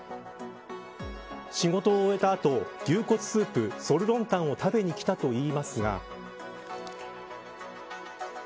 仕事を終えた後牛骨スープ、ソルロンタンを食べに来たといいますが。